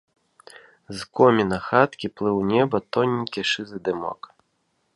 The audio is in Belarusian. З коміна хаткі плыў у неба тоненькі шызы дымок.